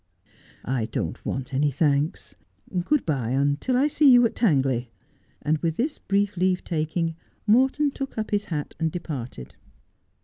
' I don't want any thanks. Good bye, until I see you at Tangley ;' and with this brief leave taking Morton took up his hat and departed.